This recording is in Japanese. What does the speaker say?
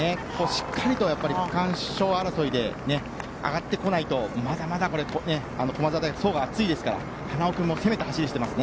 しっかりと区間賞争いで上がってこないとまだまだ駒澤大学層が厚いですから花尾君も攻めた走りをしています。